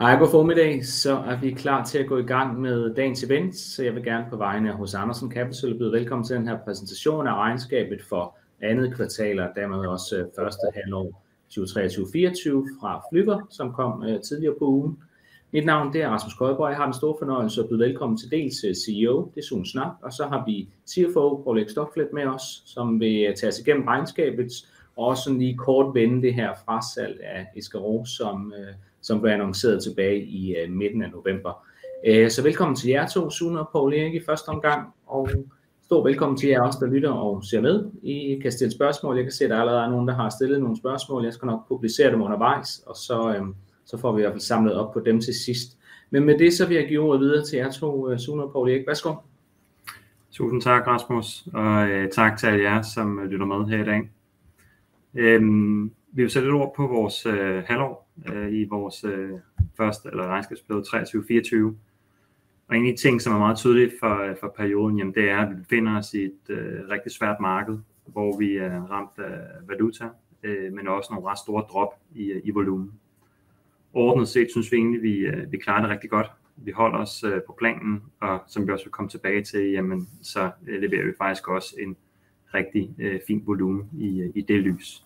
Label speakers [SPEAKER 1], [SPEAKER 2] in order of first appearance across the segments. [SPEAKER 1] Hej! Godformiddag, så er vi klar til at gå i gang med dagens event. Så jeg vil gerne på vegne af Hos Andersson Capital byde velkommen til den her præsentation af regnskabet for andet kvartal og dermed også første halvår 2023/24 fra Flügger, som kom tidligere på ugen. Mit navn det er Rasmus Højbjerg. Jeg har den store fornøjelse at byde velkommen til dels CEO Sune Schnak, og så har vi CFO Poul Erik Stokflet med os, som vil tage os igennem regnskabet og også lige kort vende det her frasalg af Escaroe, som blev annonceret tilbage i midten af november. Så velkommen til jer to, Sune og Poul Erik i første omgang og stor velkommen til jer os, der lytter og ser med. I kan stille spørgsmål. Jeg kan se, at der allerede er nogen, der har stillet nogle spørgsmål. Jeg skal nok publicere dem undervejs, og så får vi samlet op på dem til sidst. Men med det, så vil jeg give ordet videre til jer to, Sune og Poul Erik. Værsgo.
[SPEAKER 2] Tusind tak, Rasmus, og tak til alle jer, som lytter med her i dag. Vi vil sætte lidt ord på vores halvår i vores første regnskabsperiode 23/24. Og en af de ting, som er meget tydeligt for perioden, det er, at vi befinder os i et rigtig svært marked, hvor vi er ramt af valuta, men også nogle ret store drop i volumen. Overordnet set synes vi egentlig, at vi klarer det rigtig godt. Vi holder os på planen, og som vi også vil komme tilbage til, så leverer vi faktisk også en rigtig fin volumen i det lys.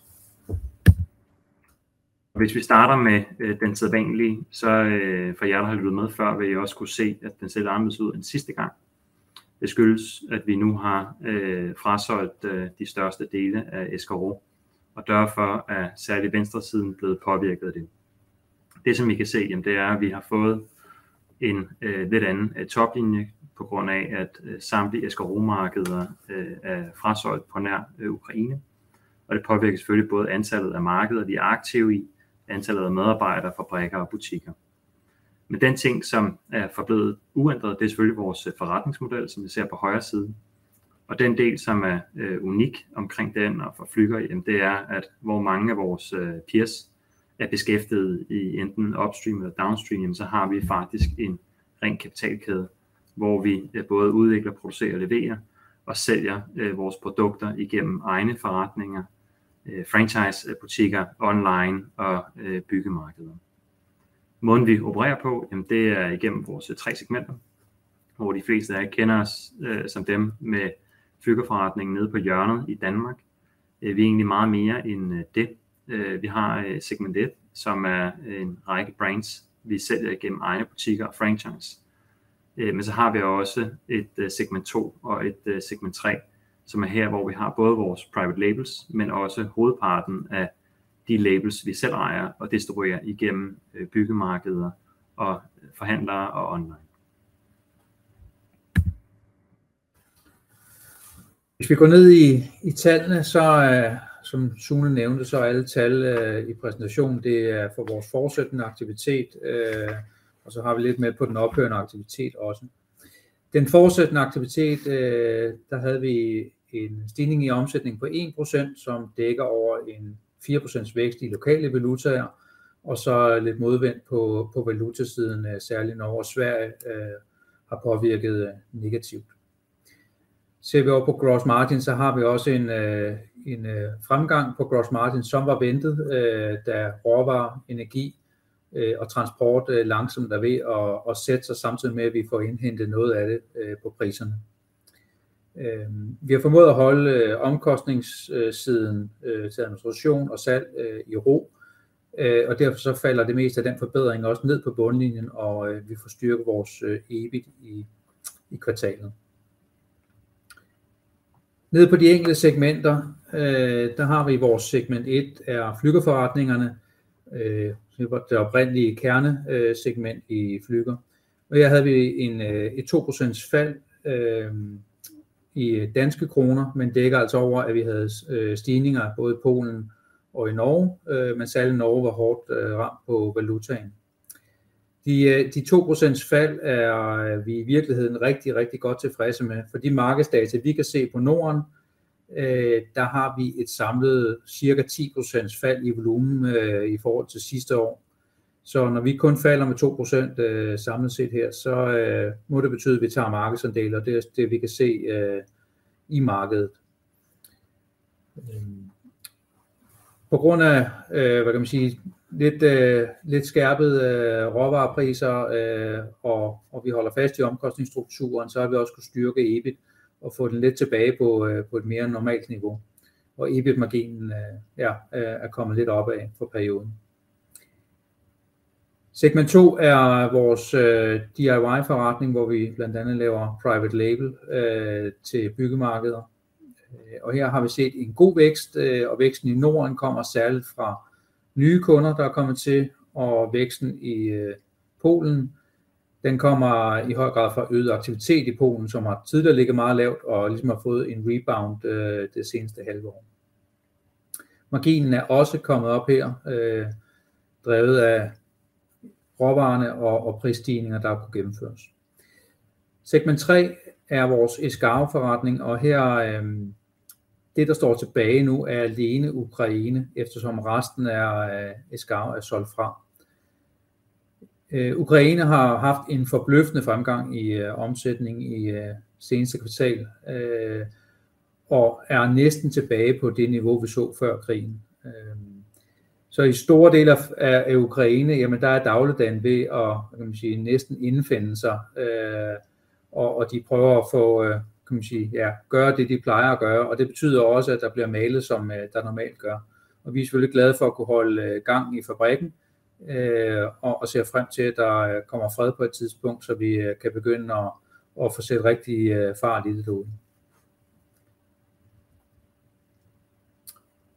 [SPEAKER 2] Hvis vi starter med den sædvanlige, så for jer, der har lyttet med før, vil I også kunne se, at den ser lidt anderledes ud end sidste gang. Det skyldes, at vi nu har frasolgt de største dele af Escaroe, og derfor er særligt venstresiden blevet påvirket af det. Det, som I kan se, det er, at vi har fået en lidt anden toplinje på grund af, at samtlige Escaroe markeder er frasolgt på nær Ukraine, og det påvirker selvfølgelig både antallet af markeder, vi er aktive i, antallet af medarbejdere, fabrikker og butikker. Men den ting, som er forblevet uændret, det er selvfølgelig vores forretningsmodel, som vi ser på højre side, og den del, som er unik omkring den og for Flügger. Det er, at hvor mange af vores peers er beskæftiget i enten upstream eller downstream, så har vi faktisk en ren kapitalkæde, hvor vi både udvikler, producerer og leverer og sælger vores produkter igennem egne forretninger, franchise butikker, online og byggemarkeder. Måden vi opererer på, det er igennem vores tre segmenter, hvor de fleste af jer kender os som dem med Flügger forretningen nede på hjørnet i Danmark. Vi er egentlig meget mere end det. Vi har segment et, som er en række brands, vi sælger igennem egne butikker og franchise. Men så har vi også et segment to og et segment tre, som er her, hvor vi har både vores private labels, men også hovedparten af de labels, vi selv ejer og distribuerer igennem byggemarkeder og forhandlere og online.
[SPEAKER 3] Hvis vi går ned i tallene, så som Sune nævnte, så er alle tal i præsentationen det er for vores fortsatte aktivitet, og så har vi lidt med på den ophørende aktivitet også. Den fortsatte aktivitet, der havde vi en stigning i omsætningen på 1%, som dækker over en 4% vækst i lokale valutaer og så lidt modvind på valutasiden, særligt Norge og Sverige har påvirket negativt. Ser vi over på gross margin, så har vi også en fremgang på gross margin, som var ventet, da råvarer, energi og transport langsomt er ved at sætte sig, samtidig med at vi får indhentet noget af det på priserne. Vi har formået at holde omkostningssiden til administration og salg i ro, og derfor så falder det meste af den forbedring også ned på bundlinjen, og vi får styrket vores EBIT i kvartalet. Ned på de enkelte segmenter. Der har vi i vores segment et er Flügger forretningerne det oprindelige kernesegment i Flügger, og her havde vi et 2% fald i danske kroner. Men dækker altså over, at vi havde stigninger både i Polen og i Norge. Men særligt Norge var hårdt ramt på valutaen. De 2% fald er vi i virkeligheden rigtig, rigtig godt tilfredse med. For de markedsdata, vi kan se på Norden, der har vi et samlet cirka 10% fald i volumen i forhold til sidste år. Så når vi kun falder med 2% samlet set her, så må det betyde, at vi tager markedsandele, og det er det, vi kan se i markedet. På grund af, hvad kan man sige, lidt skærpede råvarepriser, og vi holder fast i omkostningsstrukturen. Så har vi også kunnet styrke EBIT og få den lidt tilbage på et mere normalt niveau, hvor EBIT-marginen er kommet lidt opad for perioden. Segment to er vores DIY-forretning, hvor vi blandt andet laver private label til byggemarkeder, og her har vi set en god vækst, og væksten i Norden kommer særligt fra nye kunder, der er kommet til og væksten i Polen. Den kommer i høj grad fra øget aktivitet i Polen, som tidligere har ligget meget lavt og ligesom har fået en rebound det seneste halve år. Marginen er også kommet op her. Drevet af råvarerne og prisstigninger, der har kunnet gennemføres. Segment tre er vores Escaroe-forretning, og her... det, der står tilbage nu, er alene Ukraine, eftersom resten af Escaroe er solgt fra... Ukraine har haft en forbløffende fremgang i omsætning i seneste kvartal og er næsten tilbage på det niveau, vi så før krigen. Så i store dele af Ukraine er dagligdagen ved at næsten indfinde sig, og de prøver at få, ja, gøre det, de plejer at gøre. Det betyder også, at der bliver malet, som der normalt gør. Vi er selvfølgelig glade for at kunne holde gang i fabrikken og ser frem til, at der kommer fred på et tidspunkt, så vi kan begynde at få sat rigtig fart i det hele.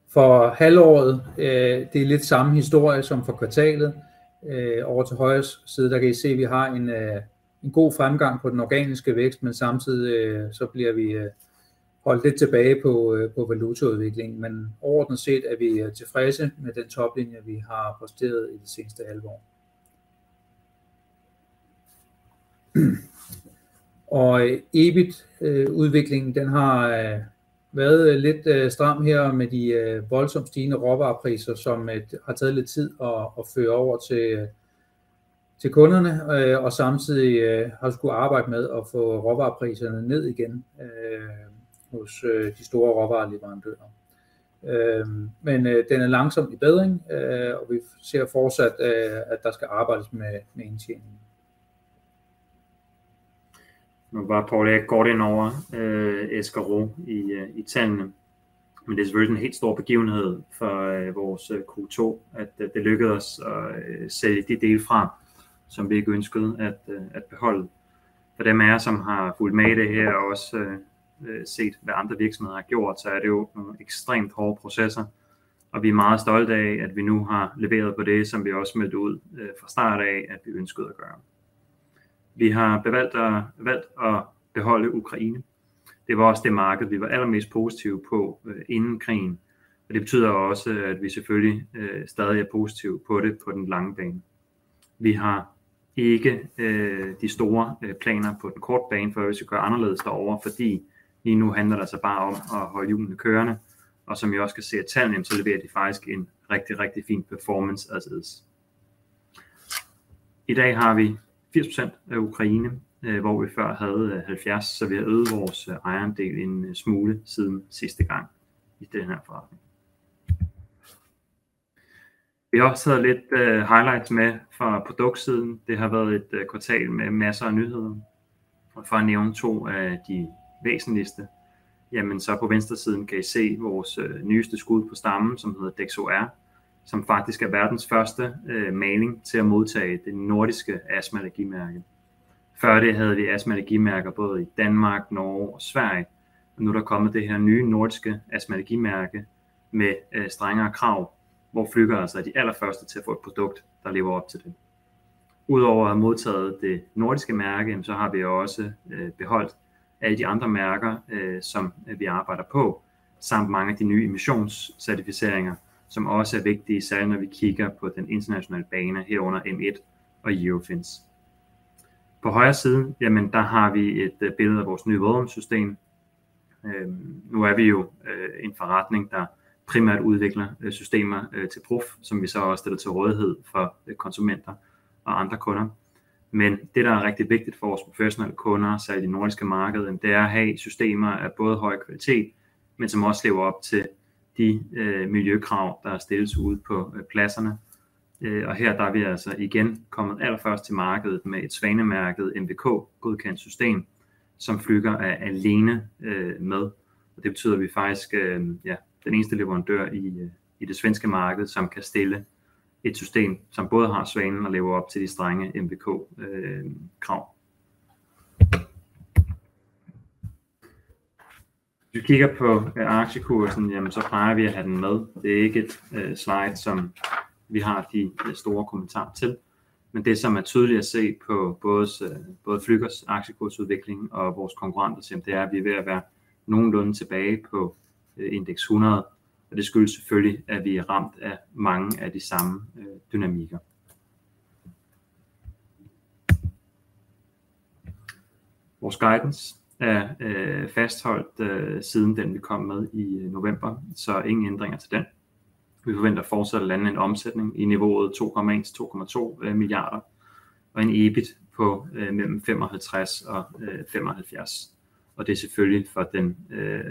[SPEAKER 3] For halvåret er det lidt samme historie som for kvartalet. Ovre til højre side der kan I se, at vi har en god fremgang på den organiske vækst, men samtidig så bliver vi holdt lidt tilbage på valutaudviklingen. Men overordnet set er vi tilfredse med den toplinje, vi har præsteret i det seneste halvår. Og EBIT-udviklingen har været lidt stram her med de voldsomt stigende råvarepriser, som har taget lidt tid at føre over til kunderne og samtidig har skullet arbejde med at få råvarepriserne ned igen hos de store råvareleverandører. Men den er langsomt i bedring, og vi ser fortsat, at der skal arbejdes med indtjeningen.
[SPEAKER 2] Nu var Poul Erik kort ind over Eskero i tallene, men det er selvfølgelig en helt stor begivenhed for vores Q2, at det lykkedes os at sælge de dele fra, som vi ikke ønskede at beholde. For dem af jer, som har fulgt med i det her og også set, hvad andre virksomheder har gjort, så er det jo nogle ekstremt hårde processer, og vi er meget stolte af, at vi nu har leveret på det, som vi også meldte ud fra start af, at vi ønskede at gøre. Vi har valgt at beholde Ukraine. Det var også det marked, vi var allermest positive på inden krigen, og det betyder også, at vi selvfølgelig stadig er positive på det på den lange bane. Vi har ikke de store planer på den korte bane for, hvad vi skal gøre anderledes derovre, fordi lige nu handler det bare om at holde hjulene kørende. Og som I også kan se i tallene, så leverer de faktisk en rigtig, rigtig fin performance as is. I dag har vi 80% af Ukraine, hvor vi før havde 70%, så vi har øget vores ejerandel en smule siden sidste gang i den her forretning. Vi har også taget lidt highlights med fra produktsiden. Det har været et kvartal med masser af nyheder og for at nævne to af de væsentligste, jamen så på venstre siden kan I se vores nyeste skud på stammen, som hedder Dexo Air, som faktisk er verdens første maling til at modtage det nordiske astma allergi mærke. Før det havde vi astma allergi mærker både i Danmark, Norge og Sverige. Og nu er der kommet det her nye nordiske astma allergi mærke med strengere krav, hvor Flügger altså er de allerførste til at få et produkt, der lever op til det. Udover at have modtaget det nordiske mærke, så har vi også beholdt alle de andre mærker, som vi arbejder på, samt mange af de nye emissions certificeringer, som også er vigtige, særligt når vi kigger på den internationale bane, herunder M1 og Eurofins. På højre side, der har vi et billede af vores nye vådrumssystem. Nu er vi jo en forretning, der primært udvikler systemer til prof, som vi så også stiller til rådighed for konsumenter og andre kunder. Men det, der er rigtig vigtigt for vores professionelle kunder, særligt i nordiske markeder, det er at have systemer af både høj kvalitet, men som også lever op til de miljøkrav, der stilles ude på pladserne. Og her er vi altså igen kommet allerførst til markedet med et svanemærket MBK godkendt system, som Flügger er alene med. Og det betyder, at vi faktisk er den eneste leverandør i det svenske marked, som kan stille et system, som både har svanen og lever op til de strenge MBK krav. Hvis vi kigger på aktiekursen, jamen så plejer vi at have den med. Det er ikke et slide, som vi har de store kommentarer til, men det, som er tydeligt at se på både Flüggers aktiekurs udvikling og vores konkurrenters, det er, at vi er ved at være nogenlunde tilbage på indeks 100. Og det skyldes selvfølgelig, at vi er ramt af mange af de samme dynamikker. Vores guidance er fastholdt siden den, vi kom med i november, så ingen ændringer til den. Vi forventer fortsat at lande en omsætning i niveauet 2,1 til 2,2 milliarder og en EBIT på mellem 55 og 75. Det er selvfølgelig for den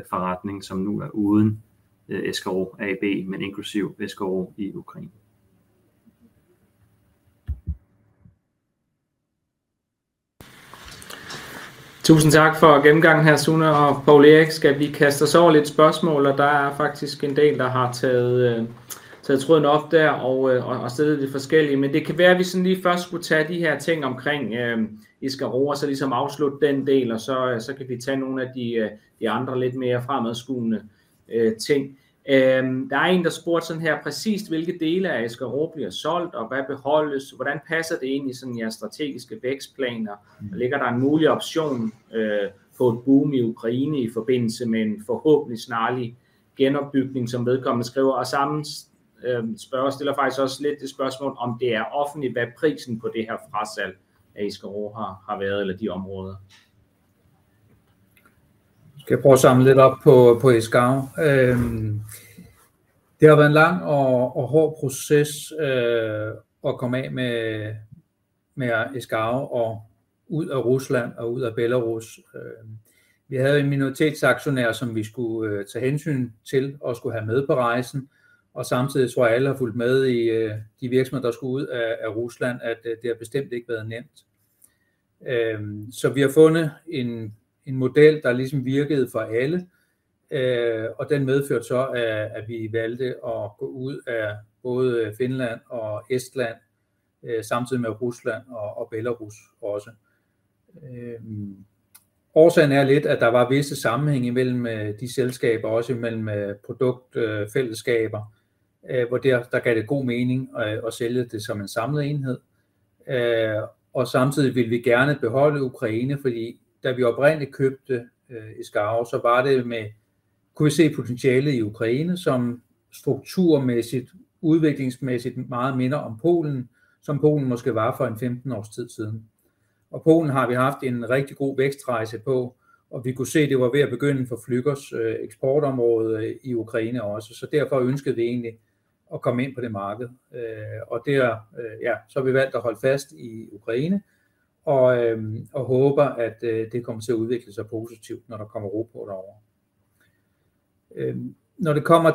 [SPEAKER 2] forretning, som nu er uden Eskaro AB, men inklusive Eskaro i Ukraine.
[SPEAKER 3] Tusind tak for gennemgangen Sune og Poul Erik. Skal vi kaste os over lidt spørgsmål? Og der er faktisk en del, der har taget tråden op der og sidder i de forskellige. Men det kan være, at vi lige først skulle tage de her ting omkring Eskaro og så ligesom afslutte den del, og så kan vi tage nogle af de andre lidt mere fremadskuende ting. Der er en, der spurgte sådan her: Præcist hvilke dele af Eskaro bliver solgt og hvad beholdes? Hvordan passer det ind i jeres strategiske vækstplaner? Ligger der en mulig option for et boom i Ukraine i forbindelse med en forhåbentlig snarlig genopbygning, som vedkommende skriver? Og samme spørger stiller faktisk også lidt det spørgsmål, om det er offentligt, hvad prisen på det her frasalg af Eskaro har været eller de områder? Skal jeg prøve at samle lidt op på Eskaro? Det har været en lang og hård proces at komme af med Eskaro og ud af Rusland og ud af Belarus. Vi havde en minoritetsaktionær, som vi skulle tage hensyn til og skulle have med på rejsen, og samtidig tror jeg, alle har fulgt med i de virksomheder, der skulle ud af Rusland. At det har bestemt ikke været nemt. Så vi har fundet en model, der ligesom virkede for alle, og den medførte så, at vi valgte at gå ud af både Finland og Estland samtidig med Rusland og Belarus også. Årsagen er lidt, at der var visse sammenhænge mellem de selskaber, også mellem produktfællesskaber, hvor der gav det god mening at sælge det som en samlet enhed. Og samtidig ville vi gerne beholde Ukraine, fordi da vi oprindeligt købte Eskaro, så var det med. Kunne vi se potentialet i Ukraine, som strukturmæssigt udviklingsmæssigt meget minder om Polen, som Polen måske var for en 15 års tid siden. Og Polen har vi haft en rigtig god vækstrejse på, og vi kunne se, at det var ved at begynde for Flügger eksportområder i Ukraine også, så derfor ønskede vi egentlig at komme ind på det marked. Og der, så har vi valgt at holde fast i Ukraine og håber, at det kommer til at udvikle sig positivt, når der kommer ro på derovre. Når det kommer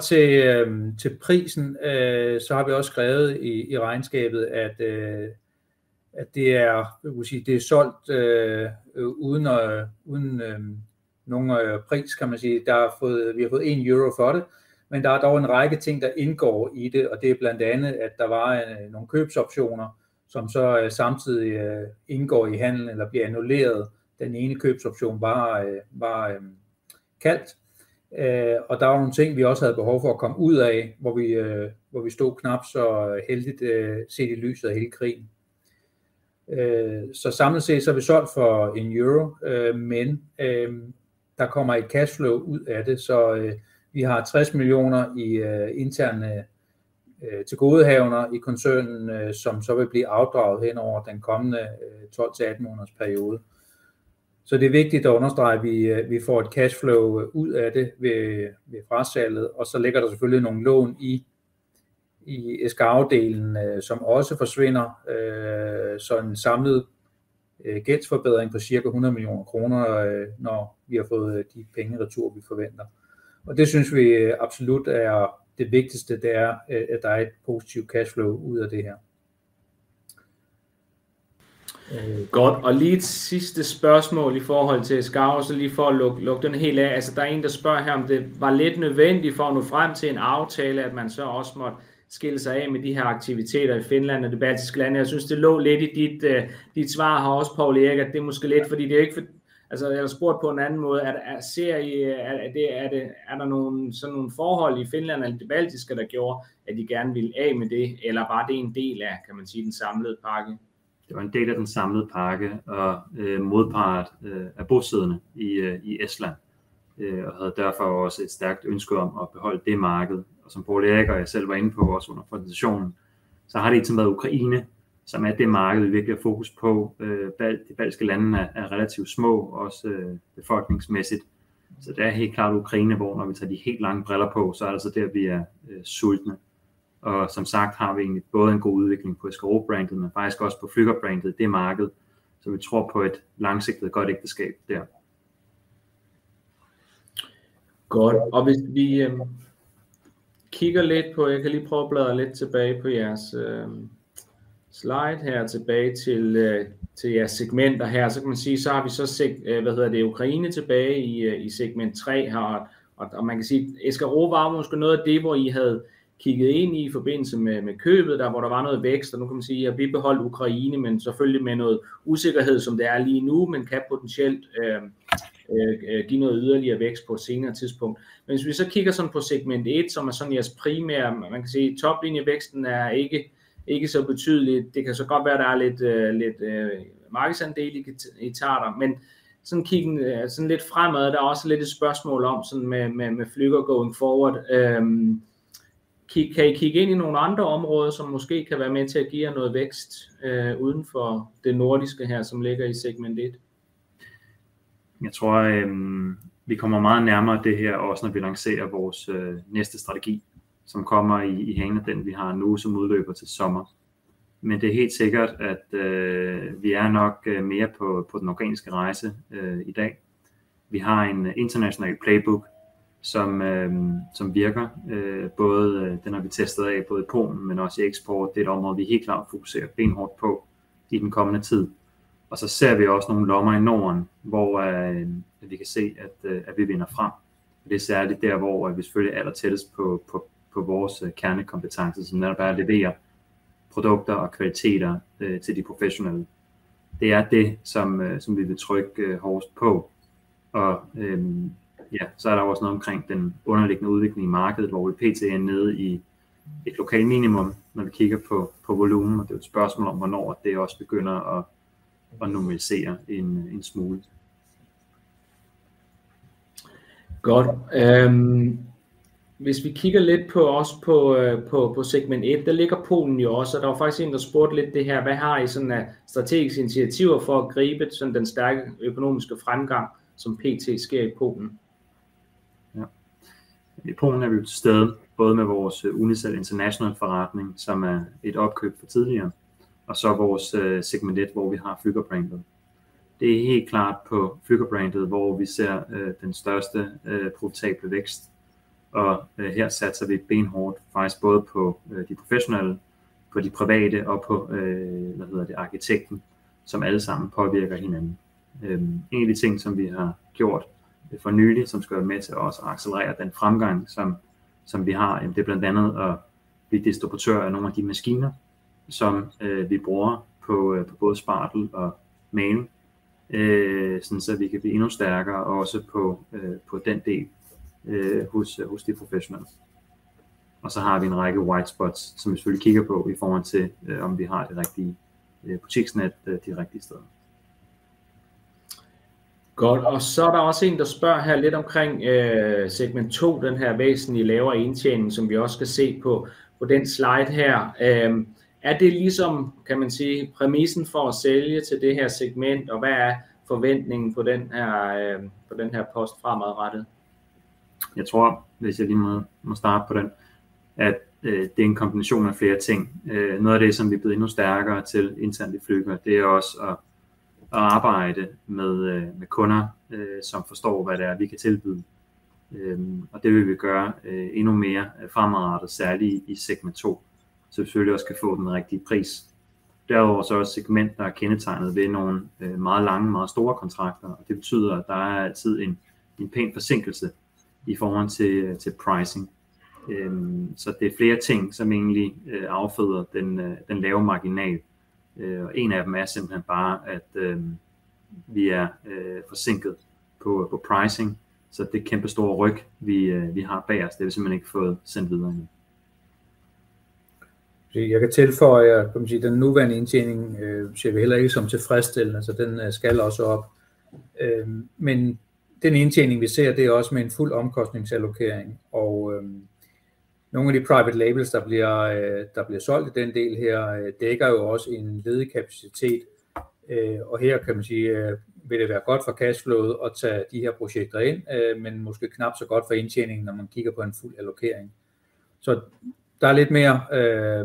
[SPEAKER 3] til prisen, så har vi også skrevet i regnskabet, at det er solgt uden nogen pris, kan man sige. Vi har fået en euro for det, men der er dog en række ting, der indgår i det, og det er blandt andet, at der var nogle købsoptioner, som så samtidig indgår i handlen eller bliver annulleret. Den ene købsoption var bare kaldt, og der var nogle ting, vi også havde behov for at komme ud af, hvor vi stod knap så heldigt set i lyset af hele krigen. Så samlet set har vi solgt for €1, men der kommer et cashflow ud af det, så vi har €60 millioner i interne tilgodehavender i koncernen, som så vil blive afdraget hen over den kommende 12 til 18 måneders periode. Så det er vigtigt at understrege, at vi får et cashflow ud af det ved frasalget. Og så ligger der selvfølgelig nogle lån i Eskaro afdelingen, som også forsvinder. Så en samlet gældsforbedring på cirka 100 millioner kroner. Når vi har fået de penge retur, vi forventer, og det synes vi absolut er det vigtigste, det er, at der er et positivt cashflow ud af det her.
[SPEAKER 1] Godt. Og lige et sidste spørgsmål i forhold til Eskaro. Så lige for at lukke den helt af. Altså, der er en, der spørger, om det var lidt nødvendigt for at nå frem til en aftale, at man så også måtte skille sig af med de her aktiviteter i Finland og de baltiske lande. Jeg synes, det lå lidt i dit svar her også, Poul Erik. At det er måske lidt fordi det ikke... Altså, jeg har spurgt på en anden måde. Er der... Ser I, at det er det? Er der nogle sådan nogle forhold i Finland og de baltiske, der gjorde, at I gerne ville af med det, eller var det en del af, kan man sige, den samlede pakke?
[SPEAKER 2] Det var en del af den samlede pakke, og modparten er bosiddende i Estland og havde derfor også et stærkt ønske om at beholde det marked. Og som Poul Erik og jeg selv var inde på også under præsentationen, så har det altid været Ukraine, som er det marked, vi virkelig har fokus på. De baltiske lande er relativt små, også befolkningsmæssigt, så det er helt klart Ukraine, hvor når vi tager de helt lange briller på, så er det altså der, vi er sultne. Og som sagt har vi egentlig både en god udvikling på Eskaro brandet, men faktisk også på Flügger brandet. Det marked, som vi tror på et langsigtet godt ægteskab der.
[SPEAKER 1] Godt. Og hvis vi kigger lidt på. Jeg kan lige prøve at bladre lidt tilbage på jeres slide her. Tilbage til jeres segmenter her. Så kan man sige, så har vi så set Ukraine tilbage i segment 3, og man kan sige Eskaro var måske noget af det, hvor I havde kigget ind i forbindelse med købet, hvor der var noget vækst. Og nu kan man sige, at vi beholdt Ukraine, men selvfølgelig med noget usikkerhed, som det er lige nu, men kan potentielt give noget yderligere vækst på et senere tidspunkt. Men hvis vi så kigger på segment 1, som er jeres primære. Man kan sige, at top linje væksten er ikke så betydelig. Det kan så godt være, at der er lidt markedsandele, I tager der, men sådan kiggede sådan lidt fremad. Der er også lidt et spørgsmål om sådan med Flügger going forward. Kan I kigge ind i nogle andre områder, som måske kan være med til at give jer noget vækst uden for det nordiske her, som ligger i segment 1?
[SPEAKER 2] Jeg tror, vi kommer meget nærmere det her, også når vi lancerer vores næste strategi, som kommer i hælene af den, vi har nu, som udløber til sommer. Men det er helt sikkert, at vi er nok mere på den organiske rejse i dag. Vi har en international playbook, som virker både. Den har vi testet af både i Polen, men også i eksport. Det er et område, vi helt klart fokuserer benhårdt på i den kommende tid. Så ser vi også nogle lommer i Norden, hvor vi kan se, at vi vinder frem. Det er særligt der, hvor vi selvfølgelig er allertættest på vores kernekompetencer, som netop er at levere produkter og kvaliteter til de professionelle. Det er det, som vi vil trykke hårdest på. Ja, så er der også noget omkring den underliggende udvikling i markedet, hvor vi p.t. Er nede i et lokalt minimum. Når vi kigger på volumen, og det er et spørgsmål om, hvornår det også begynder at normalisere en smule.
[SPEAKER 1] Godt. Hvis vi kigger lidt på os på segment et. Der ligger Polen jo også, og der var faktisk en, der spurgte lidt det her. Hvad har I af strategiske initiativer for at gribe den stærke økonomiske fremgang, som pt. sker i Polen?
[SPEAKER 2] Ja, i Polen er vi til stede både med vores Unicel International forretning, som er et opkøb fra tidligere, og så vores segment 1, hvor vi har Flyver brandet. Det er helt klart på Flyver brandet, hvor vi ser den største profitable vækst, og her satser vi benhårdt faktisk både på de professionelle, på de private og på arkitekten, som alle sammen påvirker hinanden. En af de ting, som vi har gjort for nylig, som skal være med til også at accelerere den fremgang, som vi har, det er blandt andet at blive distributør af nogle af de maskiner, som vi bruger på både spartel og maling, sådan så vi kan blive endnu stærkere også på den del hos de professionelle. Og så har vi en række white spots, som vi selvfølgelig kigger på i forhold til, om vi har det rigtige butiksnet de rigtige steder.
[SPEAKER 1] Godt. Og så er der også en, der spørger her lidt omkring segment 2. Den her væsentlige lavere indtjening, som vi også kan se på den slide her. Er det ligesom, kan man sige præmissen for at sælge til det her segment? Og hvad er forventningen for den her post fremadrettet?
[SPEAKER 2] Jeg tror, hvis jeg lige må starte på den, at det er en kombination af flere ting. Noget af det, som vi er blevet endnu stærkere til internt i Flügger, det er også at arbejde med kunder, som forstår, hvad det er, vi kan tilbyde. Og det vil vi gøre endnu mere fremadrettet, særligt i segment 2, så vi selvfølgelig også kan få den rigtige pris. Derudover så også segmentet, der er kendetegnet ved nogle meget lange og meget store kontrakter, og det betyder, at der er altid en pæn forsinkelse i forhold til pricing. Så det er flere ting, som egentlig afføder den lave marginal, og en af dem er simpelthen bare, at vi er forsinket på pricing, så det kæmpestore ryk vi har bag os, det har vi simpelthen ikke fået sendt videre endnu.
[SPEAKER 3] Jeg kan tilføje, at den nuværende indtjening ser vi heller ikke som tilfredsstillende, så den skal også op. Men den indtjening, vi ser, det er også med en fuld omkostningsallokering, og nogle af de private labels, der bliver solgt i den del her, dækker jo også en ledig kapacitet, og her kan man sige, vil det være godt for cashflowet at tage de her projekter ind, men måske knap så godt for indtjeningen, når man kigger på en fuld allokering. Så der er lidt mere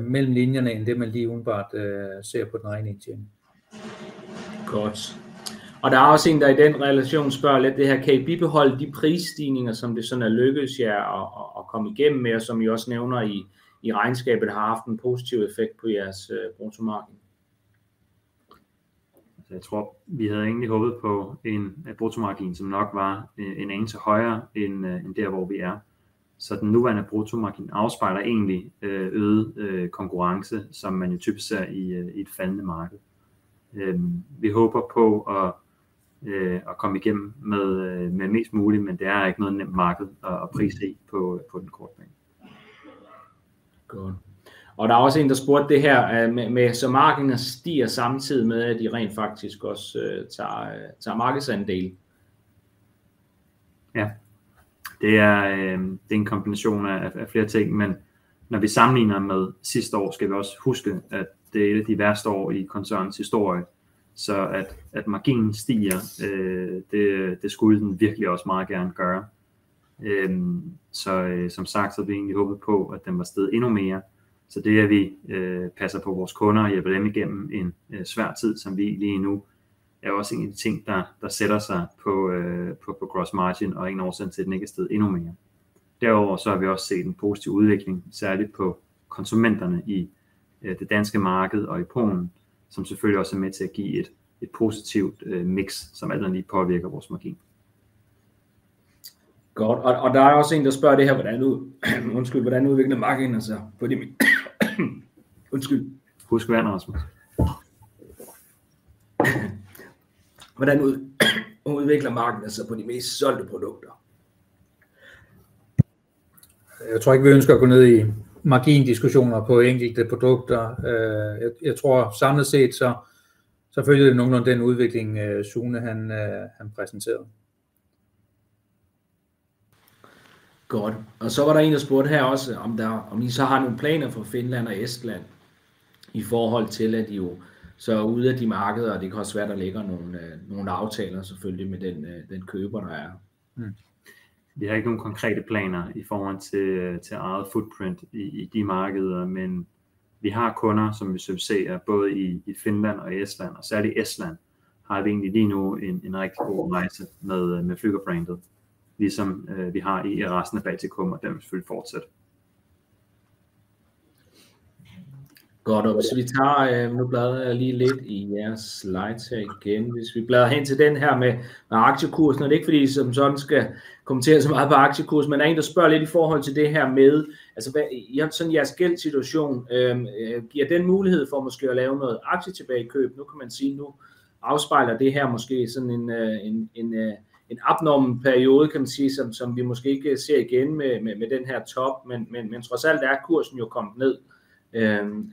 [SPEAKER 3] mellem linjerne end det, man lige umiddelbart ser på den rene indtjening.
[SPEAKER 1] Godt. Og der er også en, der i den relation spørger lidt det her: Kan I bibeholde de prisstigninger, som det sådan er lykkedes jer at komme igennem med, og som I også nævner i regnskabet, har haft en positiv effekt på jeres bruttomargin?
[SPEAKER 2] Jeg tror, vi havde egentlig håbet på en bruttomargin, som nok var en anelse højere end der, hvor vi er. Så den nuværende bruttomargin afspejler egentlig øget konkurrence, som man typisk ser i et faldende marked. Vi håber på at komme igennem med mest muligt, men det er ikke noget nemt marked at prissætte i på den korte bane.
[SPEAKER 1] Godt. Og der er også en, der spurgte det her med, så marginen stiger, samtidig med at de rent faktisk også tager markedsandele.
[SPEAKER 2] Ja, det er en kombination af flere ting, men når vi sammenligner med sidste år, skal vi også huske, at det er et af de værste år i koncernens historie. At marginen stiger, det skulle den virkelig også meget gerne gøre. Som sagt, så havde vi håbet på, at den var steget endnu mere. Det, at vi passer på vores kunder og hjælper dem igennem en svær tid, som vi lige nu, er også en af de ting, der sætter sig på cross margin og en årsag til, at den ikke er steget endnu mere. Derudover har vi også set en positiv udvikling, særligt på konsumenterne i det danske marked og i Polen, som selvfølgelig også er med til at give et positivt miks, som altid påvirker vores margin.
[SPEAKER 1] Godt. Og der er også en, der spørger det her. Hvordan udvikler marginen sig på de?
[SPEAKER 2] Husk vand Rasmussen.
[SPEAKER 1] Hvordan udvikler marginen sig på de mest solgte produkter?
[SPEAKER 3] Jeg tror ikke, vi ønsker at gå ned i margindiskussioner på enkelte produkter. Jeg tror samlet set, så følger det nogenlunde den udvikling Sune han præsenterede.
[SPEAKER 1] Godt. Og så var der en, der spurgte her også, om der. Om I så har nogle planer for Finland og Estland i forhold til, at I jo så er ude af de markeder, og det kan være svært at lægge nogle aftaler selvfølgelig med den køber, der er.
[SPEAKER 2] Vi har ikke nogen konkrete planer i forhold til eget footprint i de markeder, men vi har kunder, som vi ser både i Finland og Estland og særligt Estland. Har vi egentlig lige nu en rigtig god rejse med Flügger brandet, ligesom vi har i resten af Baltikum, og den vil fortsætte.
[SPEAKER 1] Godt. Og hvis vi tager. Nu bladrer jeg lige lidt i jeres slides her igen. Hvis vi bladrer hen til den her med aktiekursen, er det ikke, fordi I som sådan skal kommentere så meget på aktiekursen, men der er en, der spørger lidt i forhold til det her med, altså hvad I sådan jeres gældssituation giver den mulighed for måske at lave noget aktietilbagekøb. Nu kan man sige nu afspejler det her måske sådan en abnorm periode, kan man sige. Sådan som vi måske ikke ser igen med den her top. Men trods alt er kursen jo kommet ned.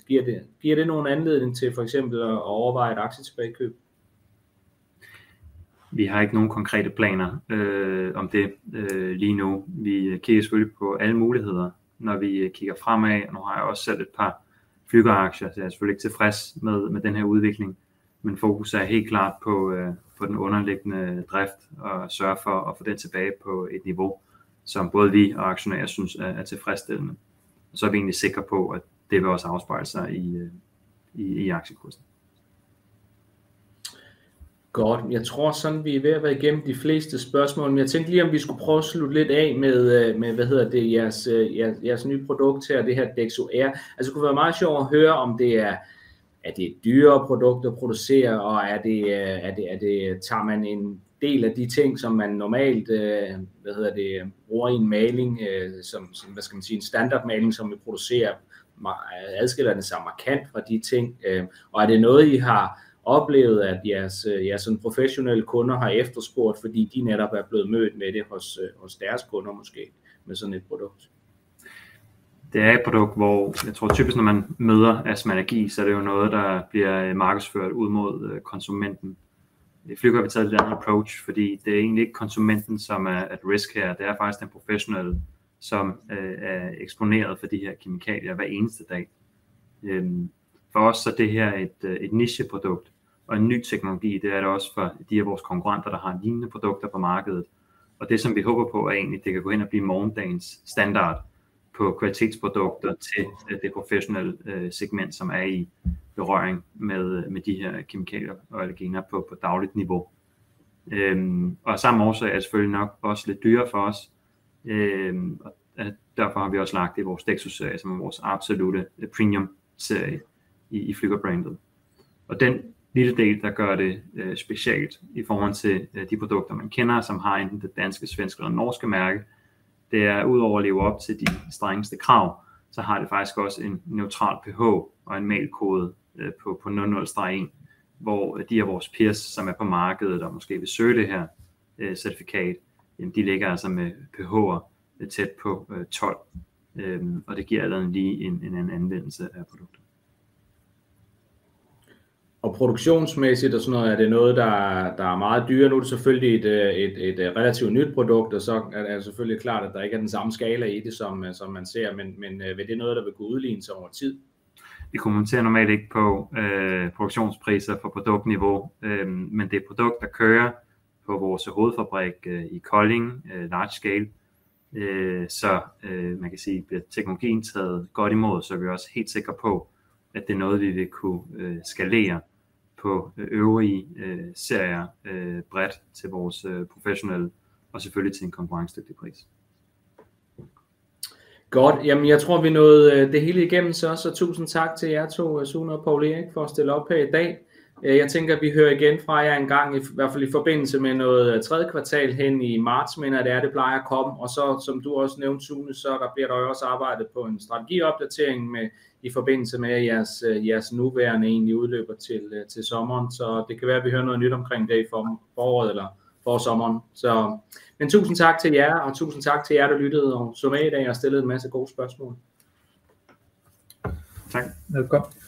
[SPEAKER 1] Giver det? Giver det nogen anledning til for eksempel at overveje et aktietilbagekøb?
[SPEAKER 2] Vi har ikke nogen konkrete planer om det lige nu. Vi kigger selvfølgelig på alle muligheder, når vi kigger fremad. Nu har jeg også selv et par Flygger aktier, så jeg er selvfølgelig ikke tilfreds med den her udvikling. Men fokus er helt klart på den underliggende drift og sørge for at få den tilbage på et niveau, som både vi og aktionærerne synes er tilfredsstillende. Så er vi egentlig sikre på, at det vil også afspejle sig i aktiekursen.
[SPEAKER 1] Godt. Jeg tror sådan, vi er ved at være igennem de fleste spørgsmål, men jeg tænkte lige, om vi skulle prøve at slutte lidt af med jeres nye produkt her. Det her Dexo kunne være meget sjovt at høre om. Det er et dyrere produkt at producere, og er det? Tager man en del af de ting, som man normalt bruger i en maling? Som en standard maling, som vi producerer? Adskiller den sig markant fra de ting? Og er det noget I har oplevet, at jeres professionelle kunder har efterspurgt, fordi de netop er blevet mødt med det hos deres kunder måske med sådan et produkt?
[SPEAKER 2] Det er et produkt, hvor jeg tror typisk, når man møder astma allergi, så er det jo noget, der bliver markedsført ud mod konsumenten. I Flygger har vi taget et andet approach, fordi det er egentlig ikke konsumenten, som er i risiko her. Det er faktisk den professionelle, som er eksponeret for de her kemikalier hver eneste dag. For os, så er det her et nicheprodukt og en ny teknologi. Det er det også for de af vores konkurrenter, der har lignende produkter på markedet. Og det, som vi håber på, er egentlig, at det kan gå hen og blive morgendagens standard på kvalitetsprodukter til det professionelle segment, som er i berøring med de her kemikalier og allergener på dagligt niveau. Og af samme årsag er selvfølgelig nok også lidt dyrere for os, og derfor har vi også lagt det i vores Dexo serie, som er vores absolutte premium serie i Flygger brandet. Og den lille del, der gør det specielt i forhold til de produkter man kender, som har enten det danske, svenske og norske mærke, det er udover at leve op til de strengeste krav, så har det faktisk også en neutral pH og en malkode på 00-1, hvor de er vores peers, som er på markedet og måske vil søge det her certifikat. Jamen de ligger altså med pH og tæt på 12, og det giver allerede lige en anden anvendelse af produktet.
[SPEAKER 1] Og produktionsmæssigt og sådan noget. Er det noget, der er meget dyrere? Nu er det selvfølgelig et relativt nyt produkt, og så er det selvfølgelig klart, at der ikke er den samme skala i det, som man ser. Men vil det noget, der vil kunne udligne sig over tid?
[SPEAKER 2] Vi kommenterer normalt ikke på produktionspriser på produktniveau, men det er et produkt, der kører på vores hovedfabrik i Kolding. Large scale. Så man kan sige, at bliver teknologien taget godt imod, så er vi også helt sikre på, at det er noget, vi vil kunne skalere på øvrige serier bredt til vores professionelle og selvfølgelig til en konkurrencedygtig pris.
[SPEAKER 1] Godt. Jamen jeg tror, vi nåede det hele igennem så. Så tusind tak til jer to Sune og Poul Erik for at stille op her i dag. Jeg tænker, at vi hører igen fra jer engang. I hvert fald i forbindelse med noget tredje kvartal hen i marts. Mener at det er det plejer at komme. Og så som du også nævnte Sune, så bliver der jo også arbejdet på en strategiopdatering i forbindelse med at jeres nuværende egentlig udløber til sommeren. Så det kan være, at vi hører noget nyt omkring det i foråret eller forsommeren. Så tusind tak til jer og tusind tak til jer, der lyttede med i dag og stillede en masse gode spørgsmål.
[SPEAKER 2] Tak. Det var godt.